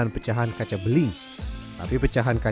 tapi pecahan kaca beling tidak bisa dikunci oleh pasir kuarsa